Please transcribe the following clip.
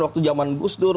waktu zaman gusdur